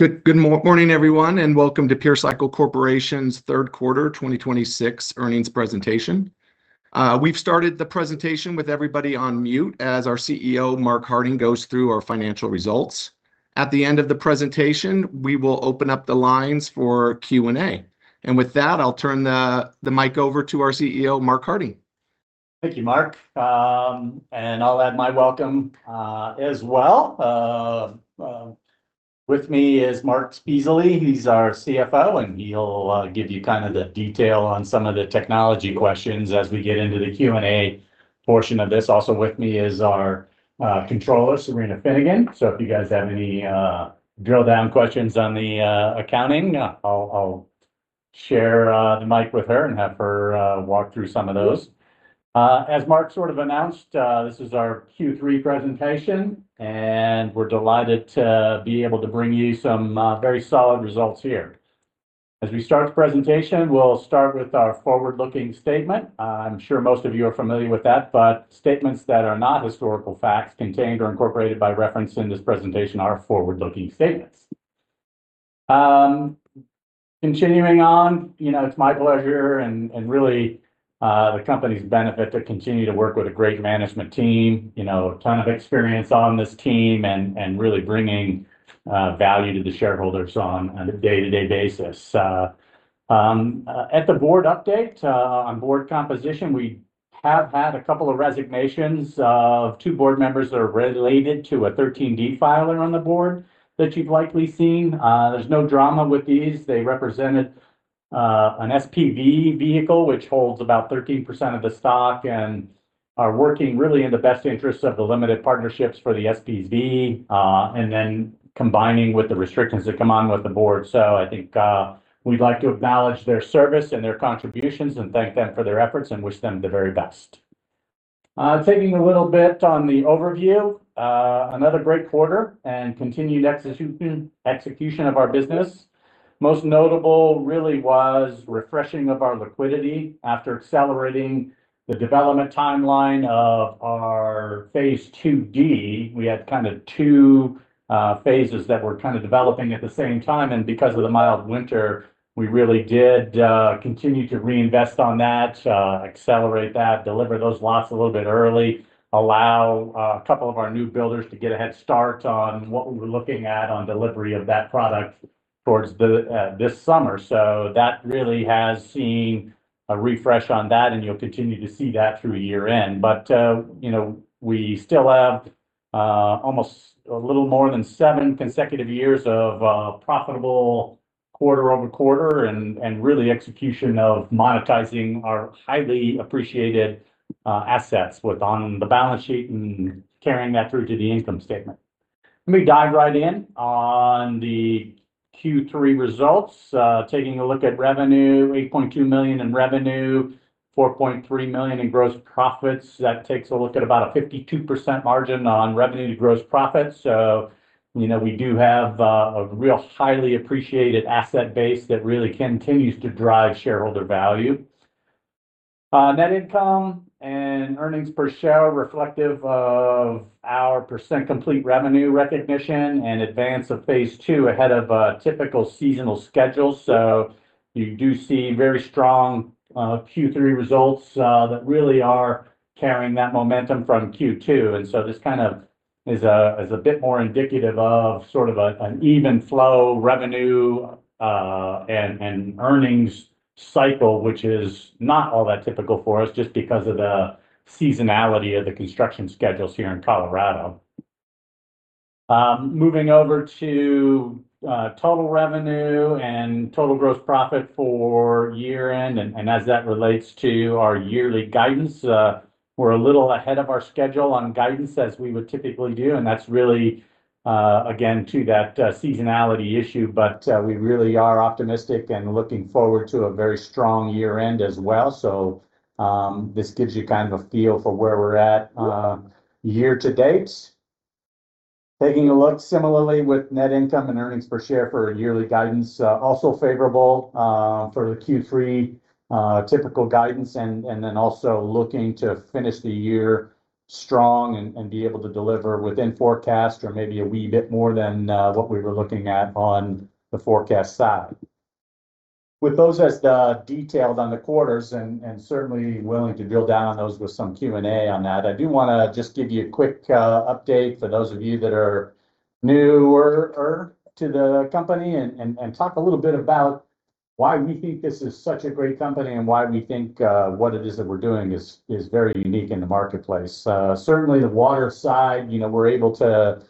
Good morning, everyone, and welcome to Pure Cycle Corporation's third quarter 2026 earnings presentation. We've started the presentation with everybody on mute as our CEO, Mark Harding, goes through our financial results. At the end of the presentation, we will open up the lines for Q&A. With that, I'll turn the mic over to our CEO, Mark Harding. Thank you, Marc. I'll add my welcome as well. With me is Marc Spezialy. He's our CFO, and he'll give you the detail on some of the technology questions as we get into the Q&A portion of this. Also with me is our Controller, Cyrena Finnegan, so if you guys have any drill-down questions on the accounting, I'll share the mic with her and have her walk through some of those. As Marc announced, this is our Q3 presentation, and we're delighted to be able to bring you some very solid results here. As we start the presentation, we'll start with our forward-looking statement. I'm sure most of you are familiar with that, statements that are not historical facts contained or incorporated by reference in this presentation are forward-looking statements. Continuing on, it's my pleasure, the company's benefit, to continue to work with a great management team. A ton of experience on this team, really bringing value to the shareholders on a day-to-day basis. At the board update, on board composition, we have had a couple of resignations of two Board members that are related to a 13D filer on the Board that you've likely seen. There's no drama with these. They represented an SPV vehicle, which holds about 13% of the stock, are working really in the best interests of the limited partnerships for the SPV, combining with the restrictions that come on with the Board. I think we'd like to acknowledge their service and their contributions and thank them for their efforts and wish them the very best. Taking a little bit on the overview. Another great quarter, continued execution of our business. Most notable really was refreshing of our liquidity after accelerating the development timeline of our Phase 2D. We had two phases that we're kind of developing at the same time. Because of the mild winter, we really did continue to reinvest on that, accelerate that, deliver those lots a little bit early, allow a couple of our new builders to get a head start on what we were looking at on delivery of that product towards this summer. That really has seen a refresh on that, you'll continue to see that through year-end. We still have a little more than seven consecutive years of profitable quarter-over-quarter, really execution of monetizing our highly appreciated assets with on the balance sheet carrying that through to the income statement. Let me dive right in on the Q3 results. Taking a look at revenue, $8.2 million in revenue, $4.3 million in gross profits. That takes a look at about a 52% margin on revenue to gross profits. We do have a real highly appreciated asset base that really continues to drive shareholder value. Net income and earnings per share reflective of our percent complete revenue recognition and advance of Phase 2 ahead of a typical seasonal schedule. You do see very strong Q3 results that really are carrying that momentum from Q2. This kind of is a bit more indicative of sort of an even flow revenue, and earnings cycle, which is not all that typical for us just because of the seasonality of the construction schedules here in Colorado. Moving over to total revenue and total gross profit for year-end, and as that relates to our yearly guidance. We're a little ahead of our schedule on guidance as we would typically do, and that's really, again, to that seasonality issue, but we really are optimistic and looking forward to a very strong year-end as well. This gives you kind of a feel for where we're at year-to-date. Taking a look similarly with net income and earnings per share for yearly guidance. Also favorable for the Q3 typical guidance, also looking to finish the year strong and be able to deliver within forecast or maybe a wee bit more than what we were looking at on the forecast side. With those as the details on the quarters, and certainly willing to drill down on those with some Q&A on that, I do want to just give you a quick update for those of you that are newer to the company and talk a little bit about why we think this is such a great company and why we think what it is that we're doing is very unique in the marketplace. Certainly the water side, we're able to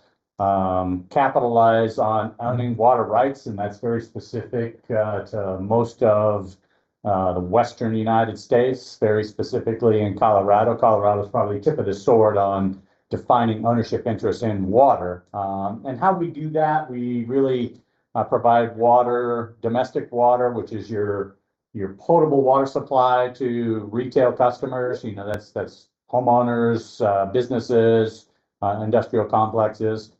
capitalize on owning water rights, and that's very specific to most of the Western U.S., very specifically in Colorado. Colorado is probably tip of the sword on defining ownership interest in water. How do we do that? We really provide water, domestic water, which is your potable water supply to retail customers. That's homeowners, businesses, industrial complexes.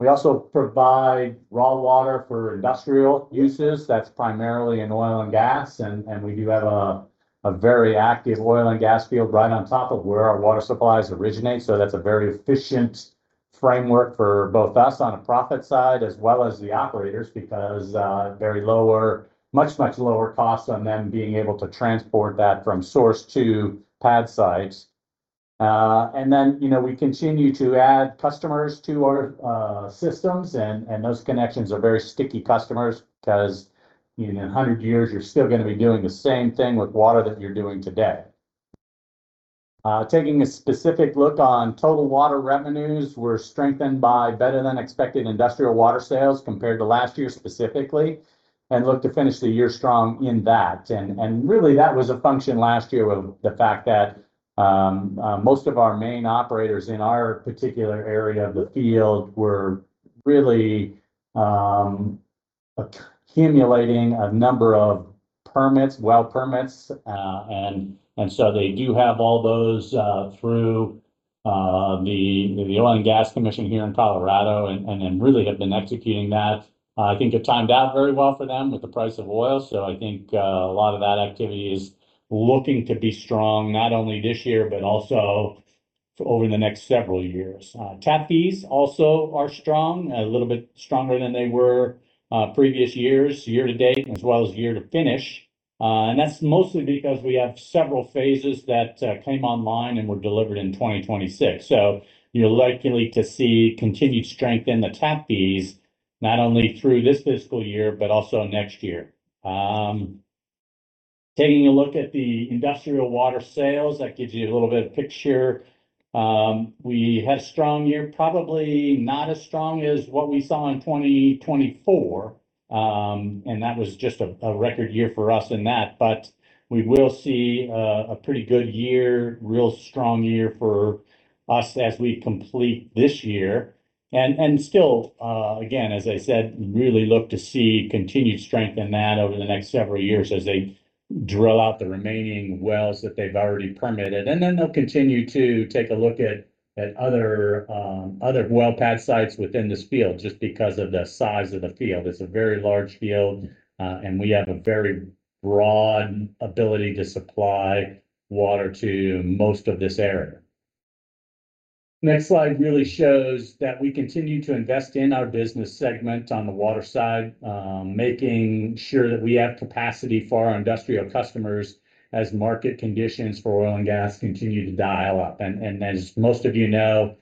We also provide raw water for industrial uses. That's primarily in oil and gas. We do have a very active oil and gas field right on top of where our water supplies originate. That's a very efficient framework for both us on a profit side as well as the operators, because very much lower cost on them being able to transport that from source to pad sites. We continue to add customers to our systems and those connections are very sticky customers because in 100 years, you're still going to be doing the same thing with water that you're doing today. Taking a specific look on total water revenues, we're strengthened by better than expected industrial water sales compared to last year specifically, and look to finish the year strong in that. Really that was a function last year of the fact that most of our main operators in our particular area of the field were really accumulating a number of well permits. They do have all those through the Oil and Gas Commission here in Colorado and really have been executing that. I think it timed out very well for them with the price of oil. I think a lot of that activity is looking to be strong, not only this year, but also over the next several years. Tap fees also are strong, a little bit stronger than they were previous years, year-to-date as well as year-to-finish. That's mostly because we have several phases that came online and were delivered in 2026. You're likely to see continued strength in the tap fees, not only through this fiscal year, but also next year. Taking a look at the industrial water sales, that gives you a little bit of picture. We had a strong year, probably not as strong as what we saw in 2024. That was just a record year for us in that. We will see a pretty good year, real strong year for us as we complete this year. Still, again, as I said, really look to see continued strength in that over the next several years as they drill out the remaining wells that they've already permitted. They'll continue to take a look at other well pad sites within this field just because of the size of the field. It's a very large field, and we have a very broad ability to supply water to most of this area. Next slide really shows that we continue to invest in our business segment on the water side, making sure that we have capacity for our industrial customers as market conditions for oil and gas continue to dial up. As most of you know,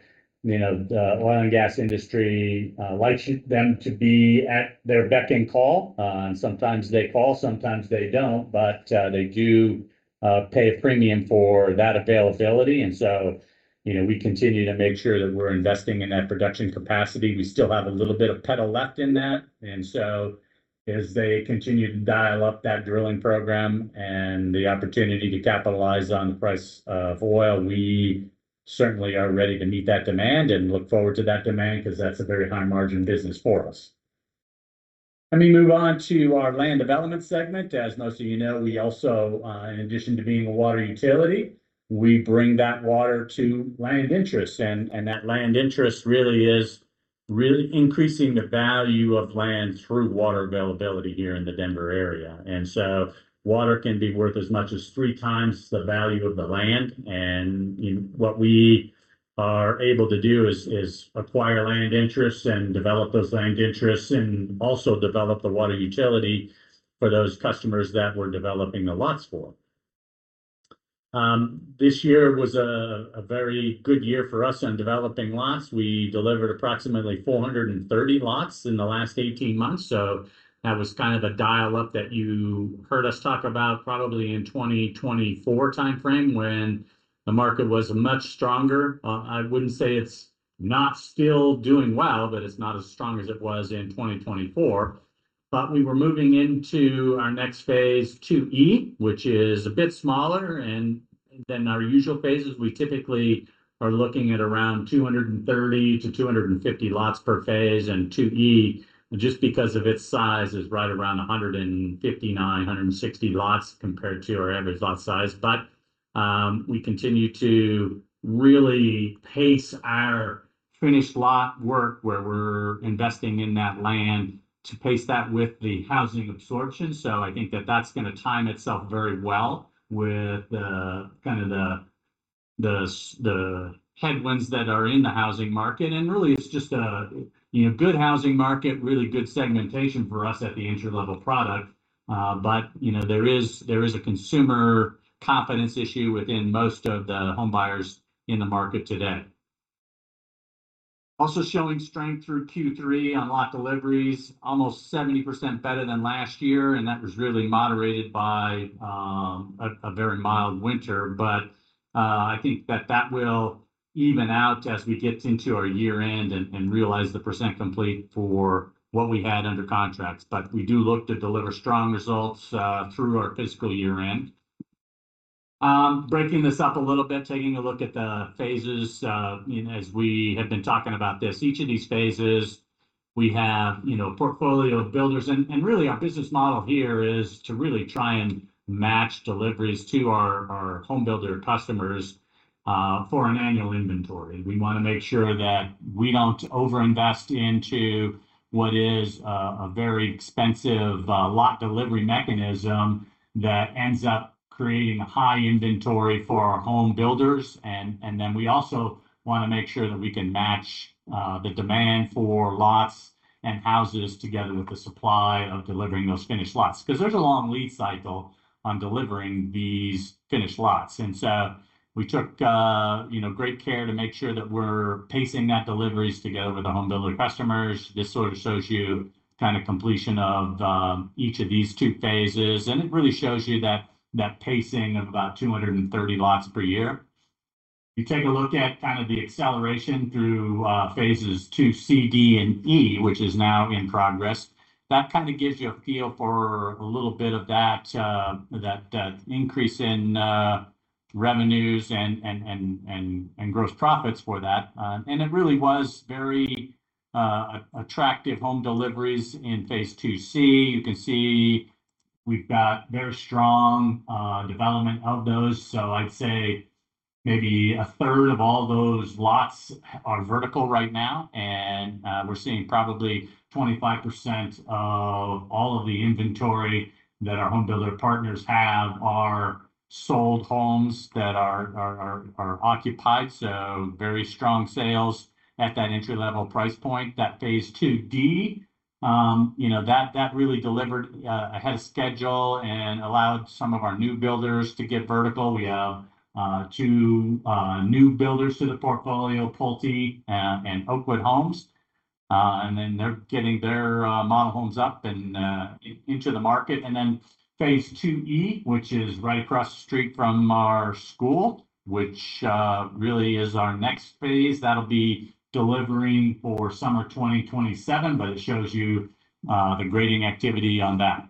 the oil and gas industry likes them to be at their beck and call. Sometimes they call, sometimes they don't, but they do pay a premium for that availability. We continue to make sure that we're investing in that production capacity. We still have a little bit of pedal left in that. As they continue to dial up that drilling program and the opportunity to capitalize on the price of oil, we certainly are ready to meet that demand. Look forward to that demand, because that's a very high margin business for us. Let me move on to our Land Development segment. As most of you know, we also, in addition to being a water utility, we bring that water to land interest. That land interest really is really increasing the value of land through water availability here in the Denver area. Water can be worth as much as 3x the value of the land. What we are able to do is acquire land interests and develop those land interests, and also develop the water utility for those customers that we're developing the lots for. This year was a very good year for us on developing lots. We delivered approximately 430 lots in the last 18 months. That was a dial-up that you heard us talk about probably in 2024 timeframe when the market was much stronger. I wouldn't say it's not still doing well, but it's not as strong as it was in 2024. We were moving into our next Phase 2E, which is a bit smaller. Our usual phases, we typically are looking at around 230-250 lots per phase. Phase 2E, just because of its size, is right around 159-160 lots compared to our average lot size. We continue to really pace our finished lot work where we're investing in that land to pace that with the housing absorption. I think that's going to time itself very well with the headwinds that are in the housing market. Really it's just a good housing market, really good segmentation for us at the entry-level product. There is a consumer confidence issue within most of the home buyers in the market today. Also showing strength through Q3 on lot deliveries, almost 70% better than last year, and that was really moderated by a very mild winter. I think that will even out as we get into our year-end and realize the percent complete for what we had under contracts. We do look to deliver strong results through our fiscal year-end. Breaking this up a little bit, taking a look at the phases. We have been talking about this, each of these phases, we have a portfolio of builders. Really our business model here is to really try and match deliveries to our home builder customers for an annual inventory. We want to make sure that we don't over-invest into what is a very expensive lot delivery mechanism that ends up creating high inventory for our home builders. We also want to make sure that we can match the demand for lots and houses together with the supply of delivering those finished lots. There's a long lead cycle on delivering these finished lots. We took great care to make sure that we're pacing that deliveries together with the home builder customers. This sort of shows you kind of completion of each of these two phases, and it really shows you that pacing of about 230 lots per year. You take a look at kind of the acceleration through Phases 2C, 2D, and 2E, which is now in progress. That kind of gives you a feel for a little bit of that increase in revenues and gross profits for that. It really was very attractive home deliveries in Phase 2C. You can see we've got very strong development of those. I'd say maybe a third of all those lots are vertical right now, and we're seeing probably 25% of all of the inventory that our home builder partners have are sold homes that are occupied. Very strong sales at that entry-level price point. Phase 2D really delivered ahead of schedule and allowed some of our new builders to get vertical. We have two new builders to the portfolio, Pulte and Oakwood Homes. They're getting their model homes up and into the market. Phase 2E, which is right across the street from our school, which really is our next phase. That'll be delivering for summer 2027, but it shows you the grading activity on that.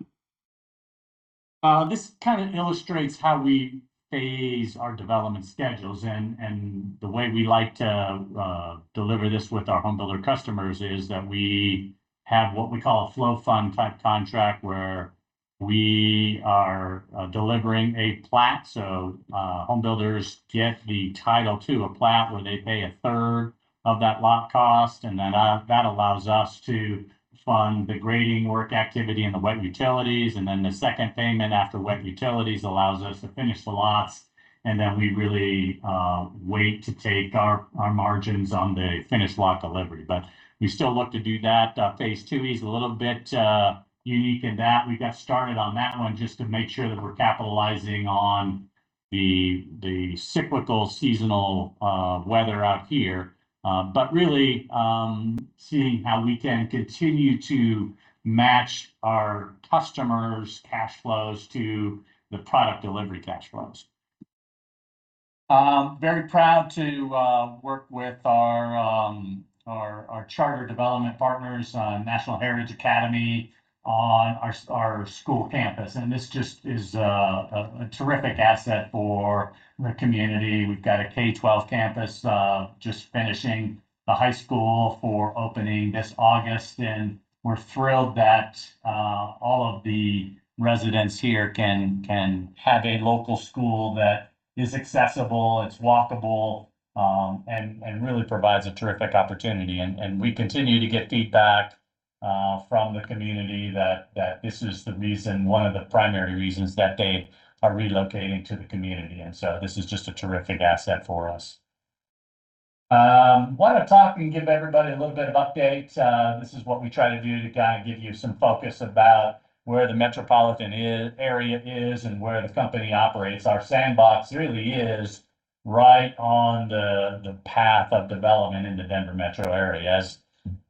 This kind of illustrates how we phase our development schedules. The way we like to deliver this with our home builder customers is that we have what we call a flow fund type contract, where we are delivering a plat. Home builders get the title to a plat where they pay a third of that lot cost, and then that allows us to fund the grading work activity and the wet utilities. The second payment after wet utilities allows us to finish the lots, and then we really wait to take our margins on the finished lot delivery. We still look to do that. Phase 2E is a little bit unique in that we got started on that one just to make sure that we're capitalizing on the cyclical seasonal weather out here. Really seeing how we can continue to match our customers' cash flows to the product delivery cash flows. Very proud to work with our charter development partners on National Heritage Academies on our school campus, and this just is a terrific asset for the community. We've got a K-12 campus just finishing the high school for opening this August, and we're thrilled that all of the residents here can have a local school that is accessible, it's walkable, and really provides a terrific opportunity. We continue to get feedback from the community that this is one of the primary reasons that they are relocating to the community. This is just a terrific asset for us. Wanted to talk and give everybody a little bit of update. This is what we try to do to kind of give you some focus about where the metropolitan area is and where the company operates. Our sandbox really is right on the path of development in the Denver metro area.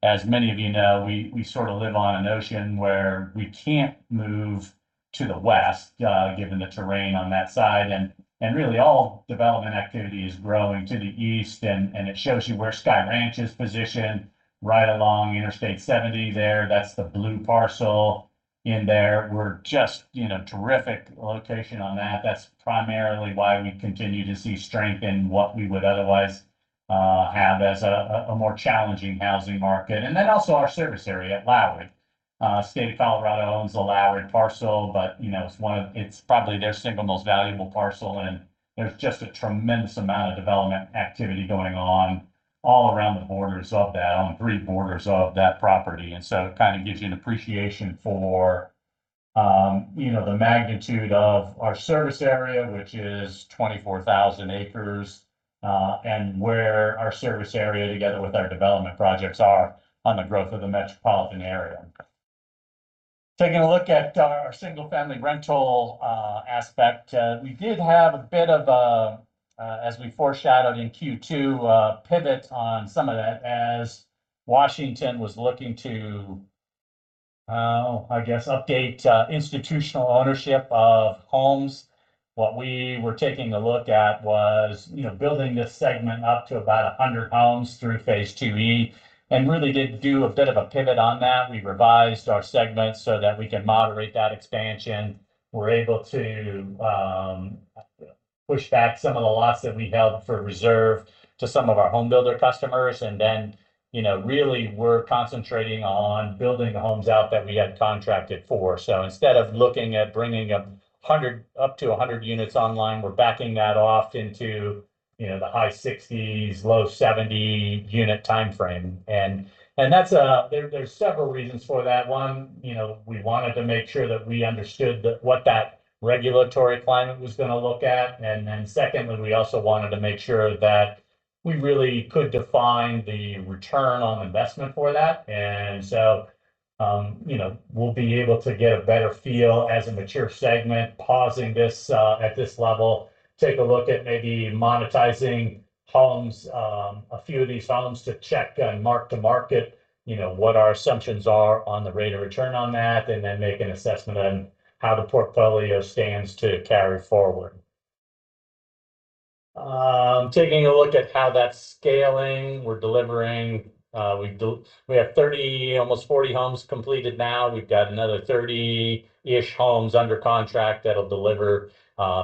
As many of you know, we sort of live on an ocean where we can't move to the west, given the terrain on that side. Really all development activity is growing to the east, and it shows you where Sky Ranch is positioned right along Interstate 70 there. That's the blue parcel in there. We're just terrific location on that. That's primarily why we continue to see strength in what we would otherwise have as a more challenging housing market. Also our service area at Lowry. State of Colorado owns the Lowry parcel, but it's probably their single most valuable parcel, and there's just a tremendous amount of development activity going on all around the borders of that, on the three borders of that property. It kind of gives you an appreciation for the magnitude of our service area, which is 24,000 acres, and where our service area together with our development projects are on the growth of the metropolitan area. Taking a look at our single-family rental aspect. We did have a bit of a, as we foreshadowed in Q2, pivot on some of that as Washington was looking to, I guess, update institutional ownership of homes. What we were taking a look at was building this segment up to about 100 homes through Phase 2E and really did do a bit of a pivot on that. We revised our segments so that we can moderate that expansion. We're able to push back some of the lots that we held for reserve to some of our home builder customers. Really we're concentrating on building the homes out that we had contracted for. Instead of looking at bringing up to 100 units online, we're backing that off into the high 60s, low 70 unit timeframe. There's several reasons for that. One, we wanted to make sure that we understood what that regulatory climate was going to look at. Secondly, we also wanted to make sure that we really could define the return on investment for that. We'll be able to get a better feel as a mature segment pausing this at this level, take a look at maybe monetizing homes, a few of these homes to check and mark to market what our assumptions are on the rate of return on that, and then make an assessment on how the portfolio stands to carry forward. Taking a look at how that's scaling, we're delivering. We have 30, almost 40 homes completed now. We've got another 30-ish homes under contract that'll deliver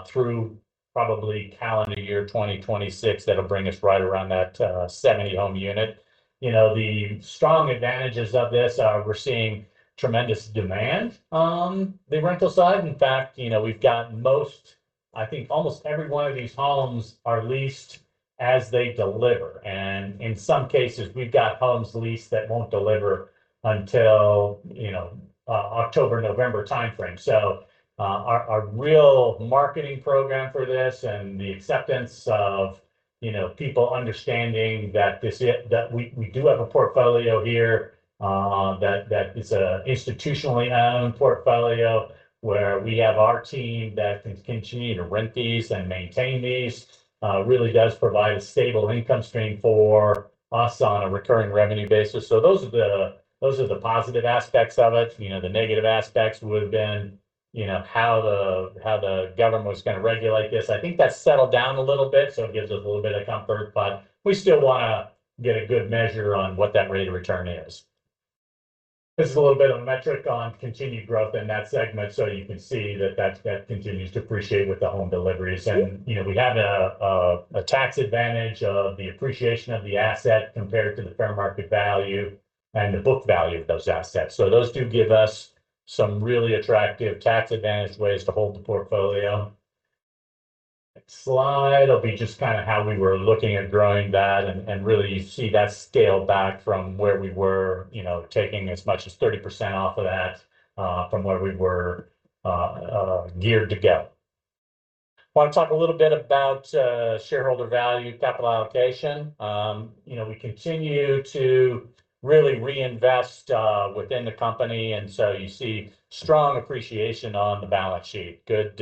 through probably calendar year 2026. That'll bring us right around that 70 home unit. The strong advantages of this are we're seeing tremendous demand on the rental side. In fact, we've gotten most, I think almost every one of these homes are leased as they deliver. In some cases, we've got homes leased that won't deliver until October-November timeframe. Our real marketing program for this and the acceptance of people understanding that we do have a portfolio here, that is an institutionally owned portfolio where we have our team that can continue to rent these and maintain these, really does provide a stable income stream for us on a recurring revenue basis. Those are the positive aspects of it. The negative aspects would have been how the government was going to regulate this. I think that's settled down a little bit, so it gives us a little bit of comfort. We still want to get a good measure on what that rate of return is. This is a little bit of a metric on continued growth in that segment. You can see that that continues to appreciate with the home deliveries. We have a tax advantage of the appreciation of the asset compared to the fair market value and the book value of those assets. Those do give us some really attractive tax advantaged ways to hold the portfolio. Next slide will be just kind of how we were looking at growing that and really see that scale back from where we were, taking as much as 30% off of that, from where we were geared to go. Want to talk a little bit about shareholder value capital allocation. We continue to really reinvest within the company, and you see strong appreciation on the balance sheet. Good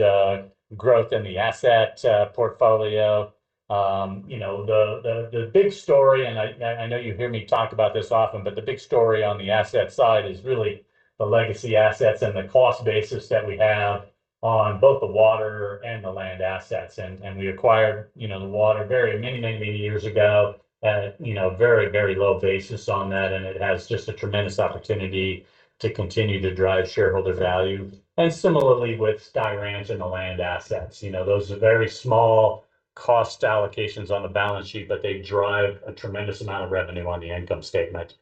growth in the asset portfolio. The big story, I know you hear me talk about this often, but the big story on the asset side is really the legacy assets and the cost basis that we have on both the water and the land assets. We acquired the water very many years ago at very low basis on that, and it has just a tremendous opportunity to continue to drive shareholder value. Similarly with Sky Ranch and the land assets. Those are very small cost allocations on the balance sheet, but they drive a tremendous amount of revenue on the income statement.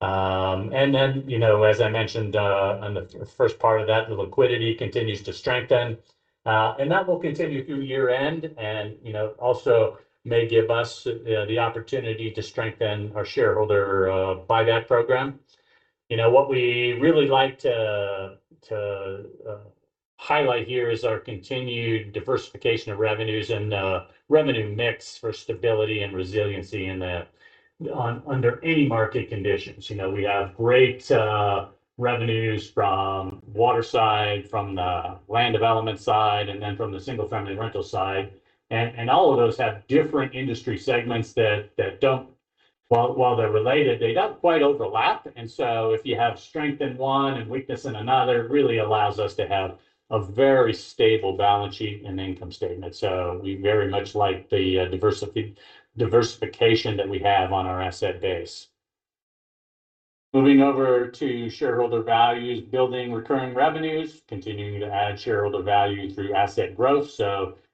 Then as I mentioned on the first part of that, the liquidity continues to strengthen. That will continue through year-end, and also may give us the opportunity to strengthen our shareholder buyback program. What we really like to highlight here is our continued diversification of revenues and revenue mix for stability and resiliency in that under any market conditions. We have great revenues from water side, from the land development side, and then from the single family rental side. All of those have different industry segments that while they're related, they don't quite overlap. If you have strength in one and weakness in another, it really allows us to have a very stable balance sheet and income statement. We very much like the diversification that we have on our asset base. Moving over to shareholder values, building recurring revenues, continuing to add shareholder value through asset growth.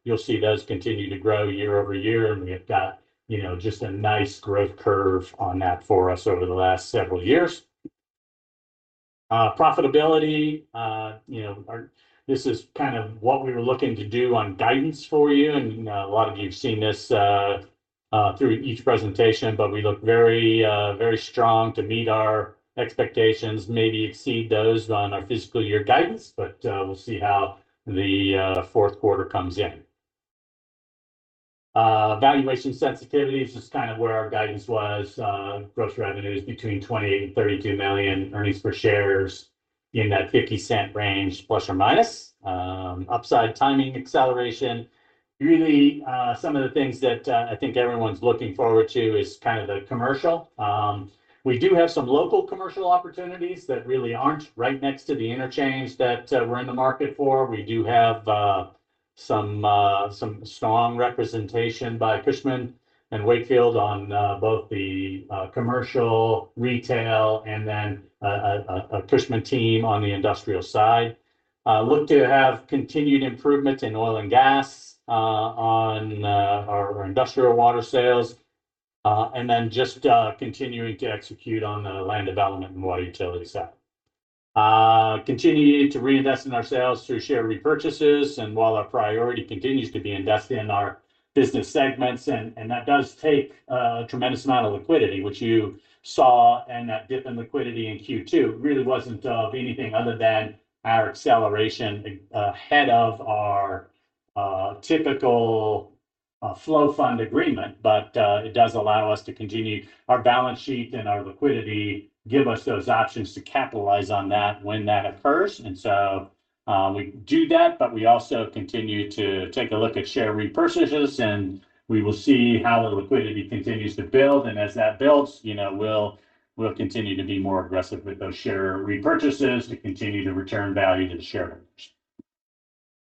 You'll see those continue to grow year-over-year. We have got just a nice growth curve on that for us over the last several years. Profitability. This is kind of what we were looking to do on guidance for you, a lot of you have seen this through each presentation, but we look very strong to meet our expectations, maybe exceed those on our fiscal year guidance. We'll see how the fourth quarter comes in. Valuation sensitivities is kind of where our guidance was. Gross revenues between $20 million-$32 million. Earnings per share in that $0.50 range±. Upside timing acceleration. Really some of the things that I think everyone's looking forward to is kind of the commercial. We do have some local commercial opportunities that really aren't right next to the Interchange that we're in the market for. We do have some strong representation by Cushman & Wakefield on both the commercial retail and then a Cushman team on the industrial side. Look to have continued improvements in oil and gas on our industrial water sales. Then just continuing to execute on the land development and water utility side. Continue to reinvest in ourselves through share repurchases. While our priority continues to be investing in our business segments, that does take a tremendous amount of liquidity, which you saw, that dip in liquidity in Q2 really wasn't of anything other than our acceleration ahead of our typical flow fund agreement. It does allow us to continue our balance sheet and our liquidity, give us those options to capitalize on that when that occurs. We do that, but we also continue to take a look at share repurchases, and we will see how the liquidity continues to build. As that builds, we'll continue to be more aggressive with those share repurchases to continue to return value to the shareholders.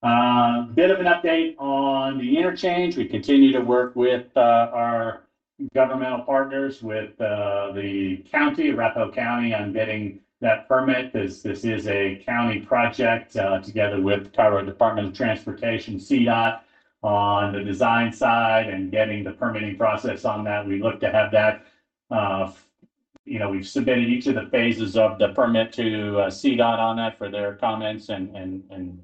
A bit of an update on the interchange. We continue to work with our governmental partners, with the county, Arapahoe County, on getting that permit. This is a county project together with Colorado Department of Transportation, CDOT, on the design side and getting the permitting process on that. We've submitted each of the phases of the permit to CDOT on that for their comments and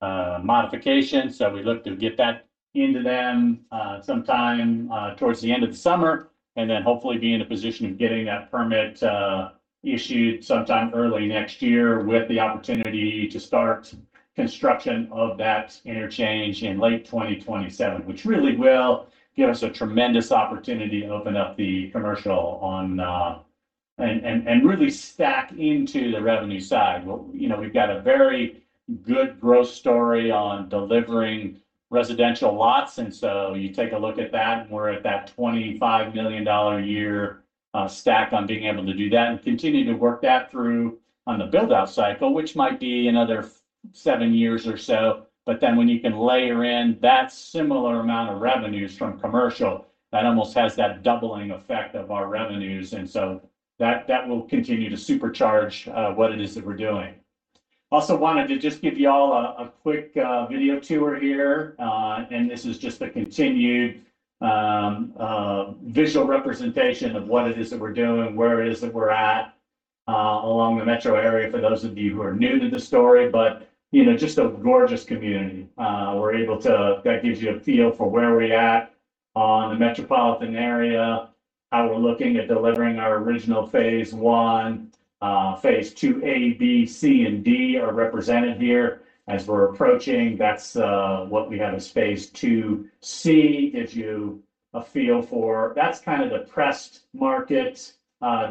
modifications. We look to get that into them sometime towards the end of the summer, hopefully be in a position of getting that permit issued sometime early next year, with the opportunity to start construction of that interchange in late 2027, which really will give us a tremendous opportunity to open up the commercial and really stack into the revenue side. We've got a very good growth story on delivering residential lots. You take a look at that, and we're at that $25 million a year stack on being able to do that and continue to work that through on the build-out cycle, which might be another seven years or so. When you can layer in that similar amount of revenues from commercial, that almost has that doubling effect of our revenues. That will continue to supercharge what it is that we're doing. Also wanted to just give you all a quick video tour here. This is just a continued visual representation of what it is that we're doing, where it is that we're at along the metro area, for those of you who are new to the story. Just a gorgeous community. That gives you a feel for where we're at on the metropolitan area, how we're looking at delivering our original phase one. Phase 2A, B, C, and D are represented here. As we're approaching, that's what we have as Phase 2C, gives you a feel for that's kind of the pressed market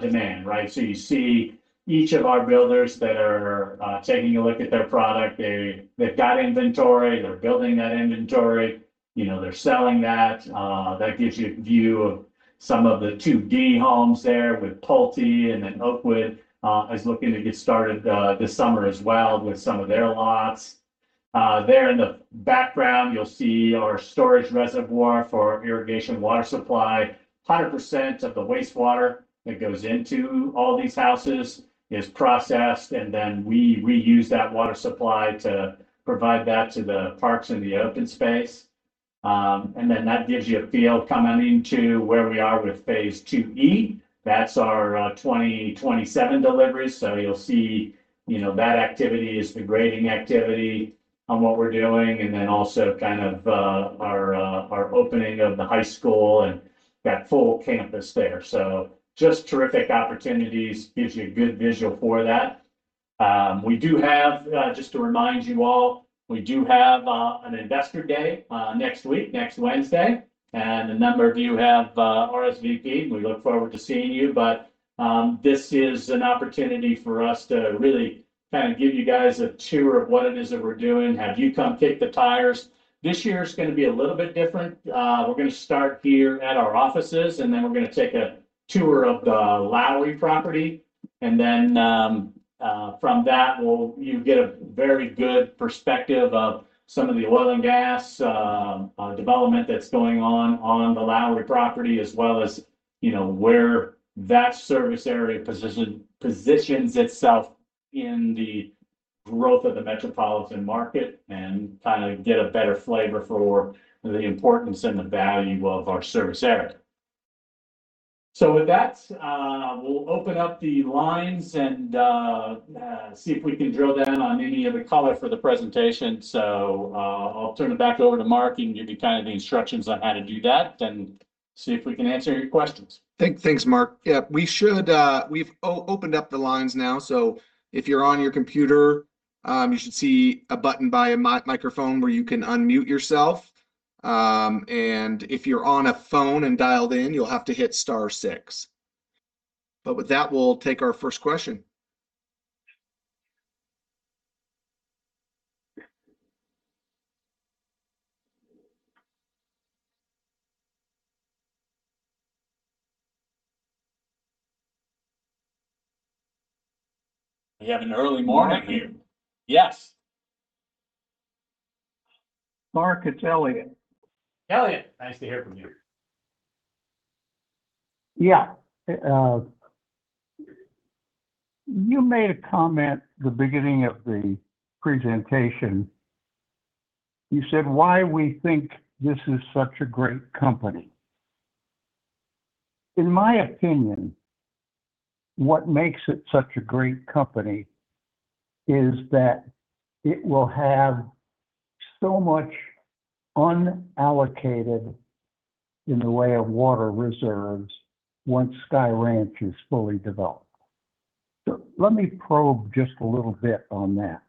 demand. You see each of our builders that are taking a look at their product. They've got inventory. They're building that inventory. They're selling that. That gives you a view of some of the Phase 2D homes there with Pulte. Oakwood is looking to get started this summer as well with some of their lots. There in the background, you'll see our storage reservoir for irrigation water supply. 100% of the wastewater that goes into all these houses is processed. We reuse that water supply to provide that to the parks and the open space. That gives you a feel coming into where we are with Phase 2E. That's our 2027 delivery. You'll see that activity is the grading activity on what we're doing. Also kind of our opening of the high school and that full campus there. Just terrific opportunities, gives you a good visual for that. Just to remind you all, we do have an Investor Day next week, next Wednesday. A number of you have RSVP'd, and we look forward to seeing you. This is an opportunity for us to really give you guys a tour of what it is that we're doing, have you come kick the tires. This year's going to be a little bit different. We're going to start here at our offices, then we're going to take a tour of the Lowry property. From that, you'll get a very good perspective of some of the oil and gas development that's going on on the Lowry property, as well as where that service area positions itself in the growth of the metropolitan market, and get a better flavor for the importance and the value of our service area. With that, we'll open up the lines and see if we can drill down on any of the color for the presentation. I'll turn it back over to Marc. He can give you the instructions on how to do that, and see if we can answer any questions. Thanks, Mark. Yeah. We've opened up the lines now. If you're on your computer, you should see a button by a microphone where you can unmute yourself. If you're on a phone and dialed in, you'll have to hit star six. With that, we'll take our first question. We have an early morning here. Yes. Mark, it's Elliot. Elliot, nice to hear from you. Yeah. You made a comment the beginning of the presentation. You said why we think this is such a great company. In my opinion, what makes it such a great company is that it will have so much unallocated in the way of water reserves once Sky Ranch is fully developed. Let me probe just a little bit on that.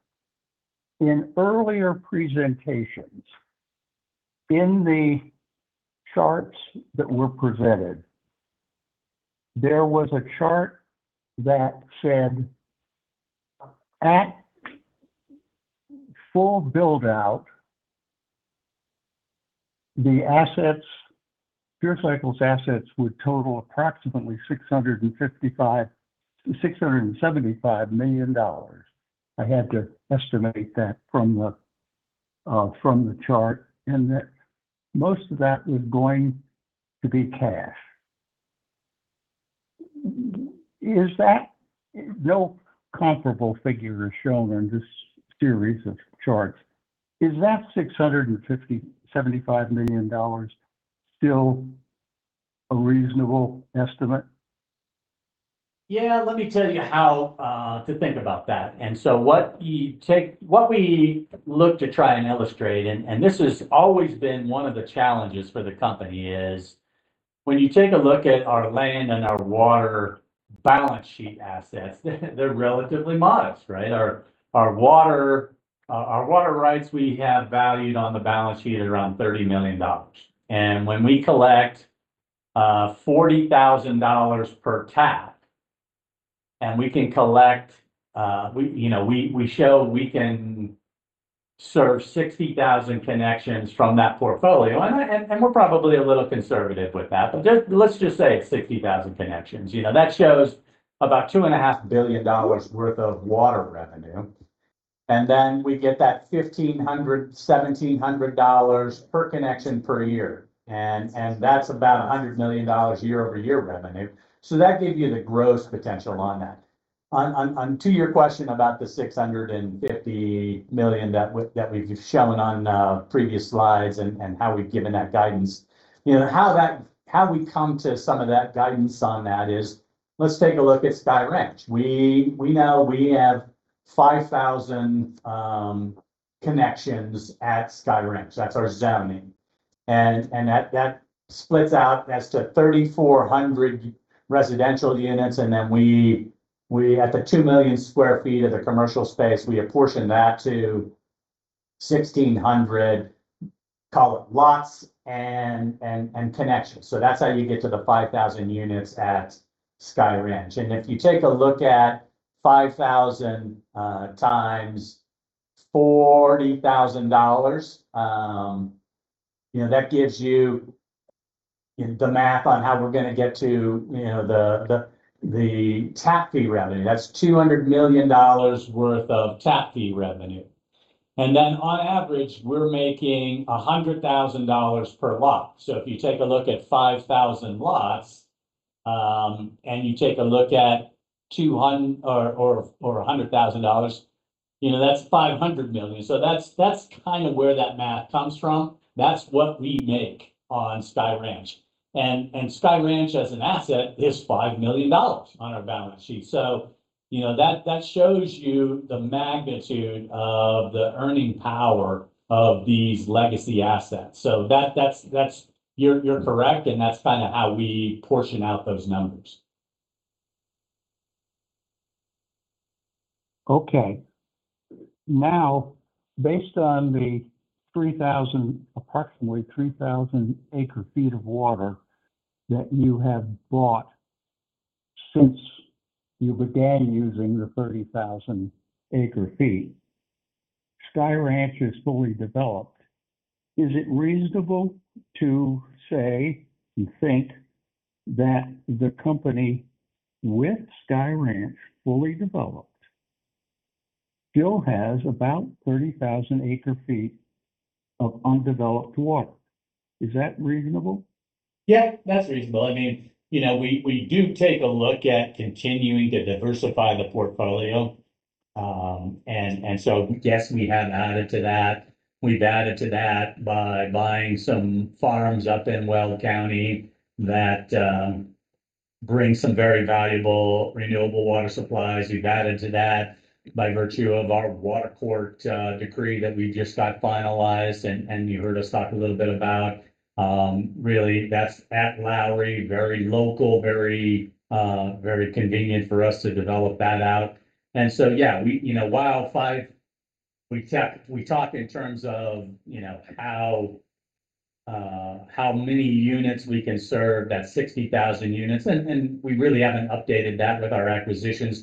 In earlier presentations, in the charts that were presented, there was a chart that said at full build-out, Pure Cycle's assets would total approximately $675 million. I had to estimate that from the chart and that most of that was going to be cash. No comparable figure is shown in this series of charts. Is that $675 million still a reasonable estimate? Yeah. Let me tell you how to think about that. What we look to try and illustrate, and this has always been one of the challenges for the company, is when you take a look at our land and our water balance sheet assets, they're relatively modest, right? Our water rights, we have valued on the balance sheet at around $30 million. When we collect $40,000 per tap and we show we can serve 60,000 connections from that portfolio, and we're probably a little conservative with that, but let's just say it's 60,000 connections. That shows about $2.5 billion worth of water revenue. We get that $1,500-$1,700 per connection per year, and that's about $100 million year-over-year revenue. That gave you the gross potential on that. To your question about the $650 million that we've shown on previous slides and how we've given that guidance. Let's take a look at Sky Ranch. We know we have 5,000 connections at Sky Ranch. That's our zoning. That splits out as to 3,400 residential units, and then at the 2 million sq ft of the commercial space, we apportion that to 1,600, call it, lots and connections. That's how you get to the 5,000 units at Sky Ranch. If you take a look at 5,000 times $40,000, that gives you the math on how we're going to get to the tap fee revenue. That's $200 million worth of tap fee revenue. On average, we're making $100,000 per lot. If you take a look at 5,000 lots, and you take a look at $100,000, that's $500 million. That's where that math comes from. That's what we make on Sky Ranch. Sky Ranch as an asset is $5 million on our balance sheet. That shows you the magnitude of the earning power of these legacy assets. You're correct, and that's how we portion out those numbers. Okay. Based on the approximately 3,000 AF of water that you have bought since you began using the 30,000 AF, Sky Ranch is fully developed. Is it reasonable to say and think that the company with Sky Ranch fully developed still has about 30,000 AF of undeveloped water? Is that reasonable? Yeah, that's reasonable. We do take a look at continuing to diversify the portfolio. Yes, we have added to that. We've added to that by buying some farms up in Weld County that bring some very valuable renewable water supplies. We've added to that by virtue of our water court decree that we just got finalized and you heard us talk a little bit about. Really, that's at Lowry, very local, very convenient for us to develop that out. Yeah. While we talk in terms of how many units we can serve, that 60,000 units, and we really haven't updated that with our acquisitions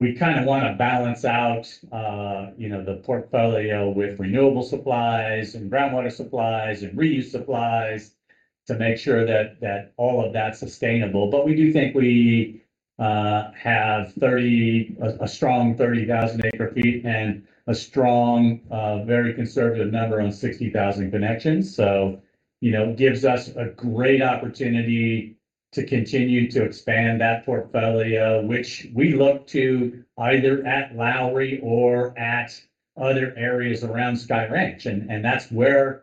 because we want to balance out the portfolio with renewable supplies and groundwater supplies and reuse supplies to make sure that all of that's sustainable. We do think we have a strong 30,000 AF and a strong, very conservative number on 60,000 connections. It gives us a great opportunity to continue to expand that portfolio, which we look to either at Lowry or at other areas around Sky Ranch. The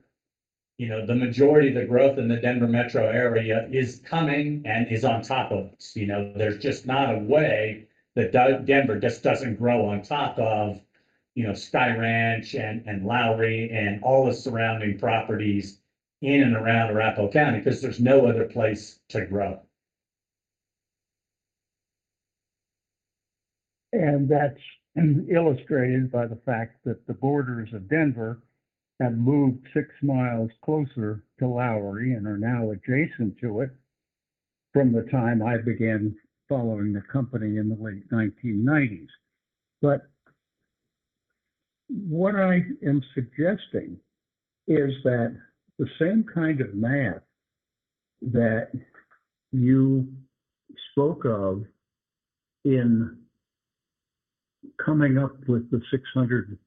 majority of the growth in the Denver metro area is coming and is on top of this. There's just not a way that Denver just doesn't grow on top of Sky Ranch and Lowry and all the surrounding properties in and around Arapahoe County, because there's no other place to grow. That's illustrated by the fact that the borders of Denver have moved 6 mi closer to Lowry and are now adjacent to it from the time I began following the company in the late 1990s. What I am suggesting is that the same kind of math that you spoke of in coming up with the $650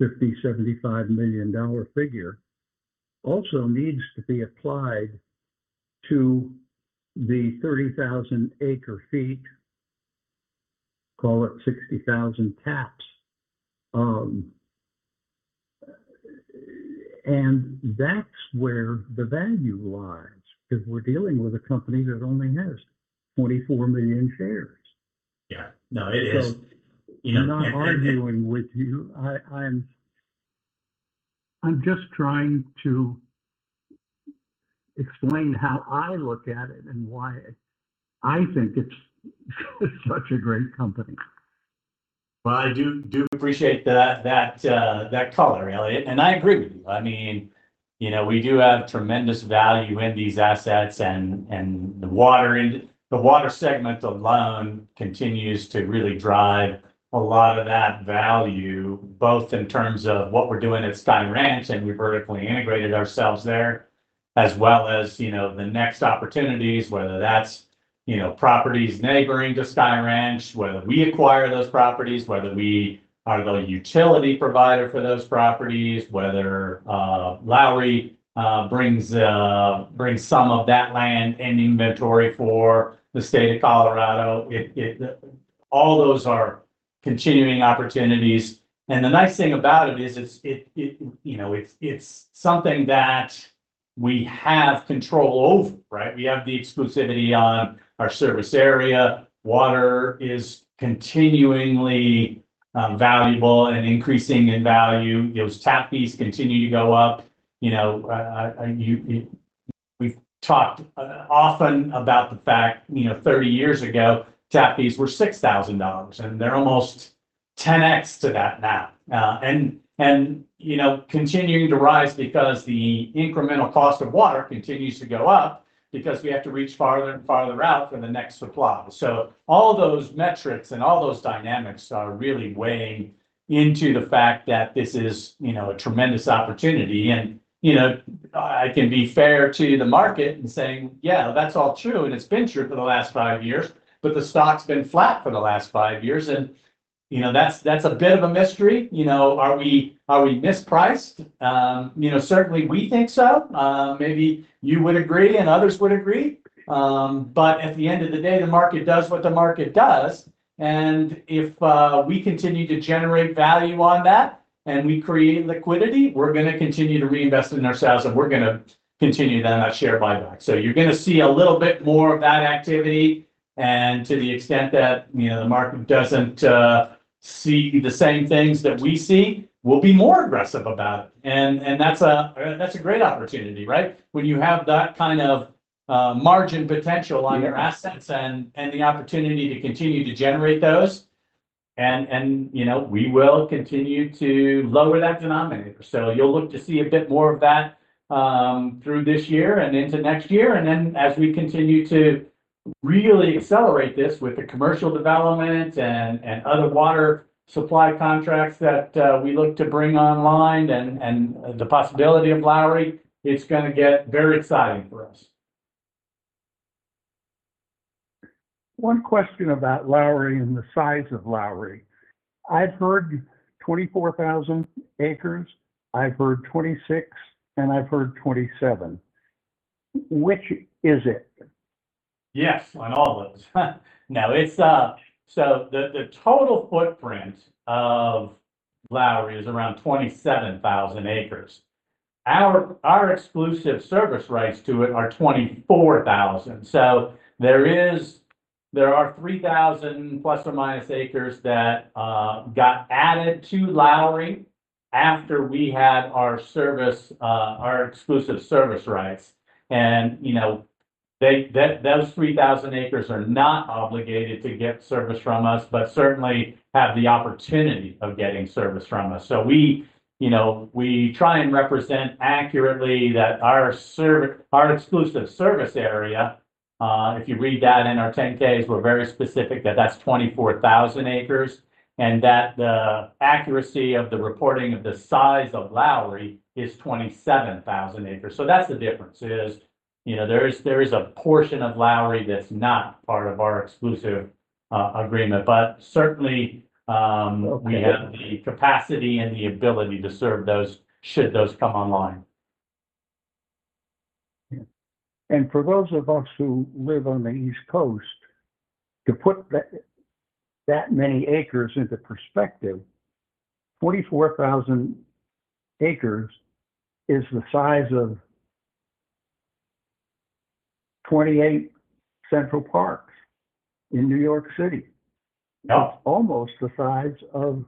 million-$675 million figure also needs to be applied to the 30,000 AF, call it 60,000 taps. That's where the value lies, because we're dealing with a company that only has 24 million shares. Yeah. No, it is. I'm not arguing with you. I'm just trying to explain how I look at it and why I think it's such a great company. Well, I do appreciate that color, Elliot. I agree with you. We do have tremendous value in these assets and the water segment alone continues to really drive a lot of that value, both in terms of what we're doing at Sky Ranch, and we vertically integrated ourselves there, as well as the next opportunities, whether that's properties neighboring to Sky Ranch, whether we acquire those properties, whether we are the utility provider for those properties, whether Lowry brings some of that land and inventory for the state of Colorado. All those are continuing opportunities. The nice thing about it is it's something that we have control over, right? We have the exclusivity on our service area. Water is continuingly valuable and increasing in value. Those tap fees continue to go up. We've talked often about the fact, 30 years ago, tap fees were $6,000, and they're almost 10x to that now. Continuing to rise because the incremental cost of water continues to go up because we have to reach farther and farther out for the next supply. All those metrics and all those dynamics are really weighing into the fact that this is a tremendous opportunity. I can be fair to the market in saying, yeah, that's all true, and it's been true for the last five years, but the stock's been flat for the last five years. That's a bit of a mystery. Are we mispriced? Certainly we think so. Maybe you would agree and others would agree. At the end of the day, the market does what the market does, and if we continue to generate value on that and we create liquidity, we're going to continue to reinvest in ourselves, and we're going to continue then our share buyback. You're going to see a little bit more of that activity, and to the extent that the market doesn't see the same things that we see, we'll be more aggressive about it. That's a great opportunity, right? When you have that kind of margin potential on your assets and the opportunity to continue to generate those. We will continue to lower that denominator. You'll look to see a bit more of that through this year and into next year, and then as we continue to really accelerate this with the commercial development and other water supply contracts that we look to bring online, and the possibility of Lowry, it's going to get very exciting for us. One question about Lowry and the size of Lowry. I've heard 24,000 acres, I've heard 26,000 acres and I've heard 27,000 acres. Which is it? Yes, on all those. No. The total footprint of Lowry is around 27,000 acres. Our exclusive service rights to it are 24,000. There are 3,000± acres that got added to Lowry after we had our exclusive service rights. Those 3,000 acres are not obligated to get service from us, but certainly have the opportunity of getting service from us. We try and represent accurately that our exclusive service area, if you read that in our 10-Ks, we're very specific that that's 24,000 acres, and that the accuracy of the reporting of the size of Lowry is 27,000 acres. That's the difference, is there is a portion of Lowry that's not part of our exclusive agreement. But certainly- Okay We have the capacity and the ability to serve those, should those come online. Yeah. For those of us who live on the East Coast, to put that many acres into perspective, 44,000 acres is the size of 28 Central Parks in New York City. Oh. It's almost the size of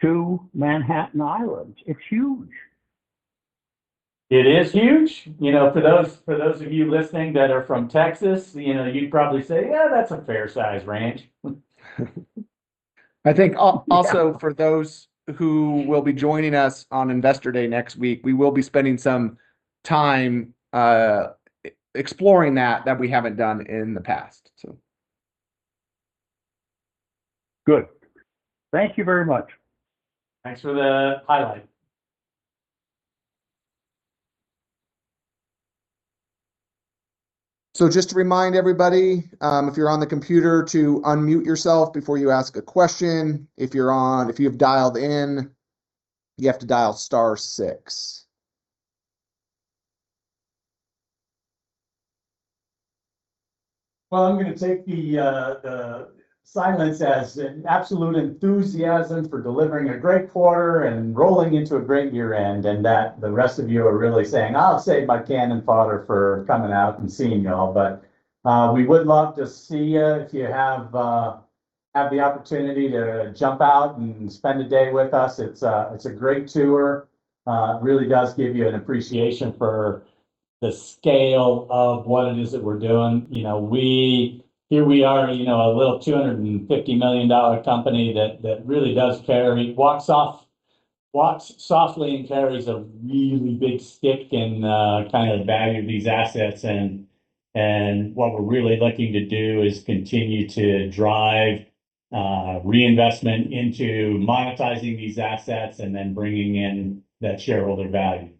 two Manhattan Islands. It's huge. It is huge. For those of you listening that are from Texas, you'd probably say, yeah, that's a fair-sized ranch. I think also for those who will be joining us on Investor Day next week, we will be spending some time exploring that we haven't done in the past, so. Good. Thank you very much. Thanks for the highlight. Just to remind everybody, if you're on the computer, to unmute yourself before you ask a question. If you have dialed in, you have to dial star six. I'm going to take the silence as an absolute enthusiasm for delivering a great quarter and rolling into a great year-end, and that the rest of you are really saying, I'll save my cannon fodder for coming out and seeing you all. We would love to see you if you have the opportunity to jump out and spend a day with us. It's a great tour. It really does give you an appreciation for the scale of what it is that we're doing. Here we are, a little $250 million company that really does walks softly and carries a really big stick in the value of these assets. What we're really looking to do is continue to drive reinvestment into monetizing these assets and then bringing in that shareholder value.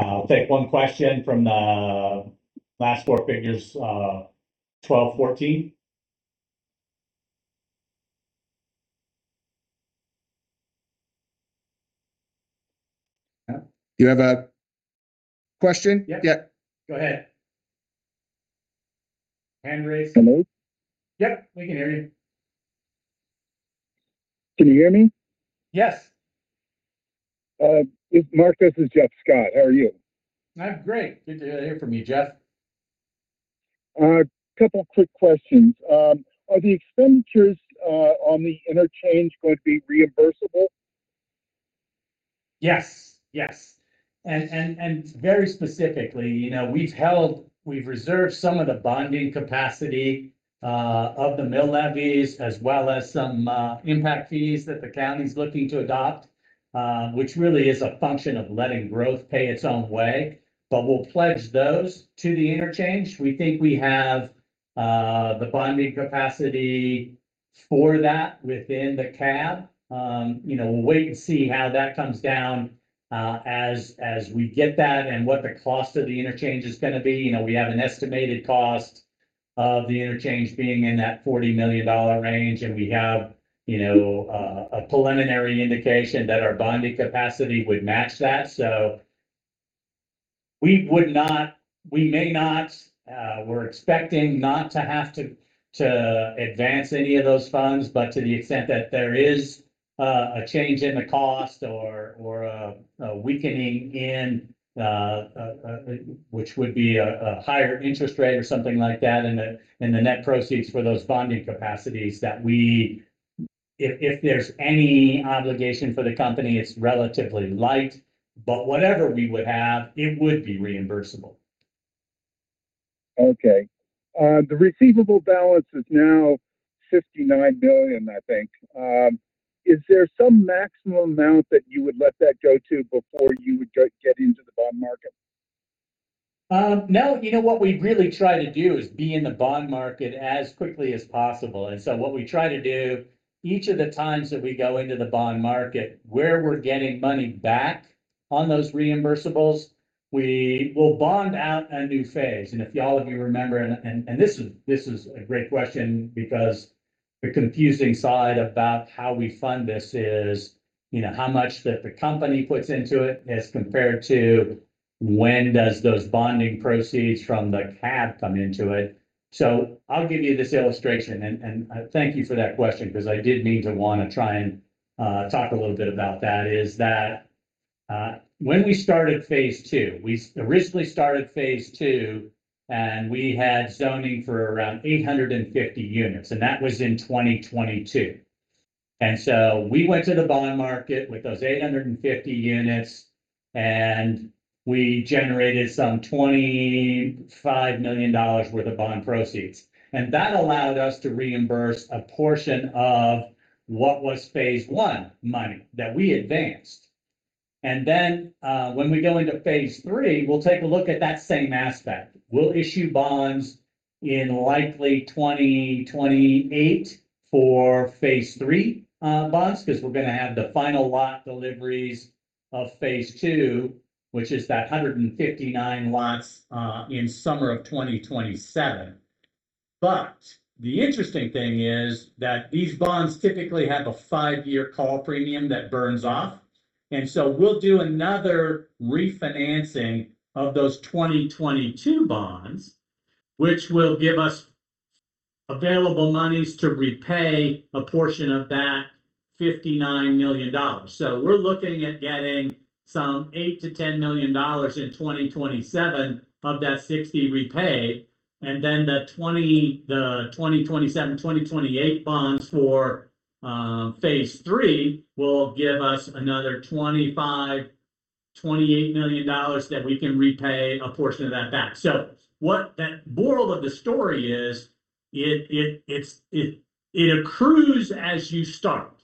I'll take one question from the last four figures, 1214. Do you have a question? Yeah. Yeah. Go ahead. Hand raise. Hello? Yep, we can hear you. Can you hear me? Yes. Mark, this is [Jeff Scott]. How are you? I'm great. Good to hear from you, Jeff. A couple of quick questions. Are the expenditures on the interchange going to be reimbursable? Yes. Very specifically, we've reserved some of the bonding capacity of the mill levies, as well as some impact fees that the county's looking to adopt, which really is a function of letting growth pay its own way. We'll pledge those to the interchange. We think we have the bonding capacity for that within the CAB. We'll wait and see how that comes down as we get that and what the cost of the interchange is going to be. We have an estimated cost of the interchange being in that $40 million range, and we have a preliminary indication that our bonding capacity would match that. We're expecting not to have to advance any of those funds, but to the extent that there is a change in the cost or a weakening in, which would be a higher interest rate or something like that in the net proceeds for those bonding capacities that if there's any obligation for the company, it's relatively light, but whatever we would have, it would be reimbursable. Okay. The receivable balance is now $59 million, I think. Is there some maximum amount that you would let that go to before you would get into the bond market? No. What we really try to do is be in the bond market as quickly as possible. What we try to do, each of the times that we go into the bond market, where we're getting money back on those reimbursables, we will bond out a new phase. If you all of you remember, and this is a great question because the confusing side about how we fund this is how much that the company puts into it as compared to when does those bonding proceeds from the CAB come into it. I'll give you this illustration, and thank you for that question because I did need to want to try and talk a little bit about that, is that when we started Phase 2, we originally started Phase 2, and we had zoning for around 850 units, and that was in 2022. We went to the bond market with those 850 units, and we generated some $25 million worth of bond proceeds. That allowed us to reimburse a portion of what was Phase 1 money that we advanced. When we go into Phase 3, we'll take a look at that same aspect. We'll issue bonds in likely 2028 for Phase 3 bonds, because we're going to have the final lot deliveries of Phase 2, which is that 159 lots, in summer of 2027. The interesting thing is that these bonds typically have a five-year call premium that burns off. We'll do another refinancing of those 2022 bonds, which will give us available monies to repay a portion of that $59 million. We're looking at getting some $8 million-$10 million in 2027 of that $60 million repay. The 2027-2028 bonds for Phase 3 will give us another $25 million-$28 million that we can repay a portion of that back. What that moral of the story is, it accrues as you start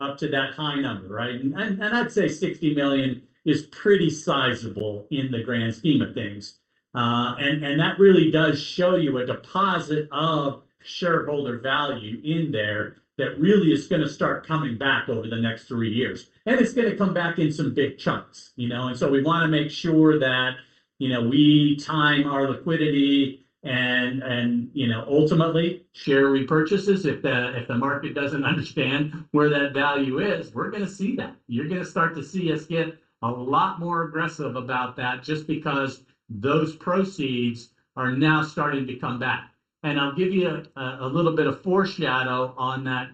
up to that high number, right? I'd say $60 million is pretty sizable in the grand scheme of things. That really does show you a deposit of shareholder value in there that really is going to start coming back over the next three years. It's going to come back in some big chunks. We want to make sure that we time our liquidity and ultimately share repurchases. If the market doesn't understand where that value is, we're going to see that. You're going to start to see us get a lot more aggressive about that just because those proceeds are now starting to come back. I'll give you a little bit of foreshadow on that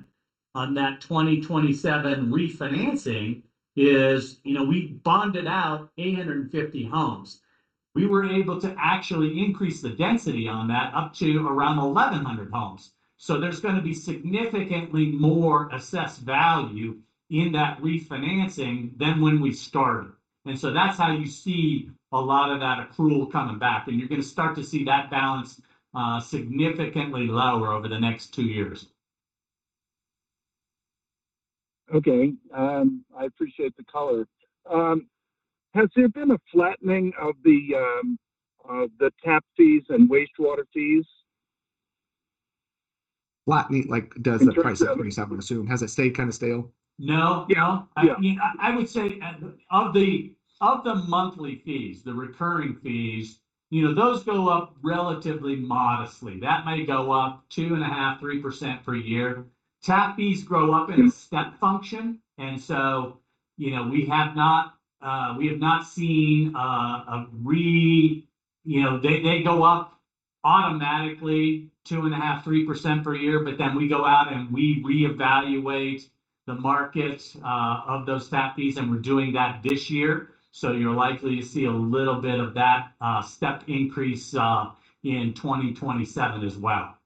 2027 refinancing is we bonded out 850 homes. We were able to actually increase the density on that up to around 1,100 homes. There's going to be significantly more assessed value in that refinancing than when we started. That's how you see a lot of that accrual coming back. You're going to start to see that balance significantly lower over the next two years. Okay. I appreciate the color. Has there been a flattening of the tap fees and wastewater fees? Flattening, like does the price increase, I would assume. Has it stayed kind of stale? No. Yeah. I would say of the monthly fees, the recurring fees, those go up relatively modestly. That may go up 2.5%-3% per year. Tap fees grow up in a step function. They go up automatically 2.5%,-3% per year. We go out and we reevaluate the market of those tap fees, and we're doing that this year. You're likely to see a little bit of that step increase in 2027 as well.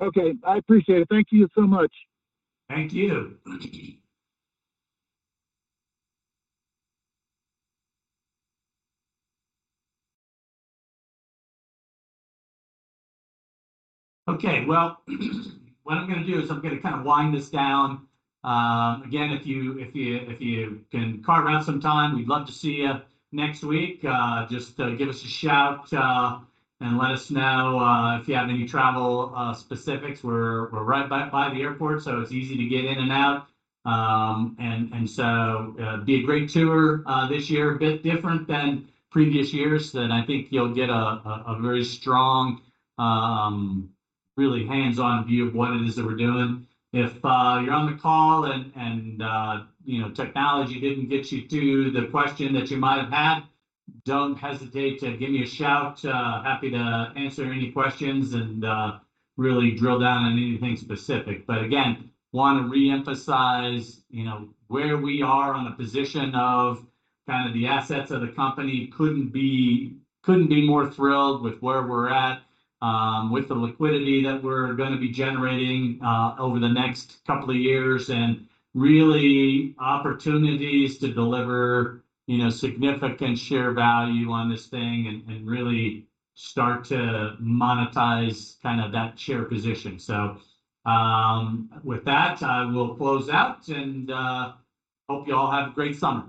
Okay. I appreciate it. Thank you so much. Thank you. Okay, well, what I'm going to do is I'm going to kind of wind this down. Again, if you can carve out some time, we'd love to see you next week. Just give us a shout, and let us know if you have any travel specifics. We're right by the airport, so it's easy to get in and out. Be a great tour this year. A bit different than previous years, and I think you'll get a very strong, really hands-on view of what it is that we're doing. If you're on the call and technology didn't get you to the question that you might have had, don't hesitate to give me a shout. Happy to answer any questions and really drill down on anything specific. Again, want to reemphasize where we are on the position of kind of the assets of the company. Couldn't be more thrilled with where we're at with the liquidity that we're going to be generating over the next couple of years, and really opportunities to deliver significant share value on this thing and really start to monetize that share position. With that, I will close out, and hope you all have a great summer.